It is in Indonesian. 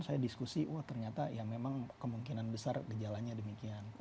terdiskusi wah ternyata ya memang kemungkinan besar gejalannya demikian